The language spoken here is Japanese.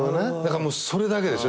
それだけですよ。